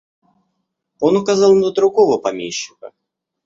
Он указал на другого помещика.